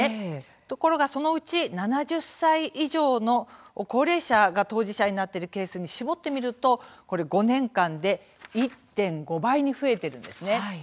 ところが、そのうち７０歳以上の高齢者が当事者になっているケースに絞って見ると５年間で１．５倍に増えています。